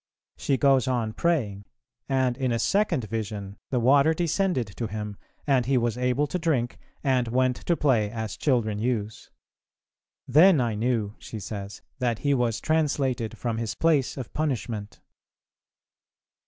She goes on praying; and in a second vision the water descended to him, and he was able to drink, and went to play as children use. "Then I knew," she says, "that he was translated from his place of punishment."